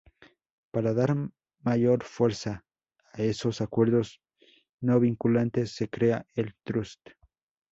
Para dar mayor fuerza a esos acuerdos no vinculantes se crea el trust.